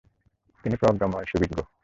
তিনি প্রজ্ঞাময়, সুবিজ্ঞ।